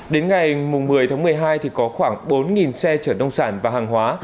đến ngày một mươi một mươi hai có khoảng bốn xe chở nông sản và hàng hóa